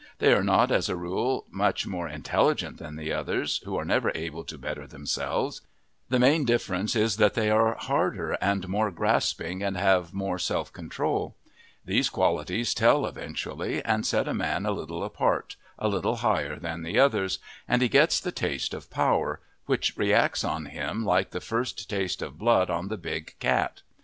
They are not as a rule much more intelligent than the others who are never able to better themselves; the main difference is that they are harder and more grasping and have more self control. These qualities tell eventually, and set a man a little apart, a little higher than the others, and he gets the taste of power, which reacts on him like the first taste of blood on the big cat.